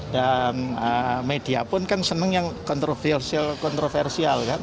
dan media pun kan seneng yang kontroversial kontroversial kan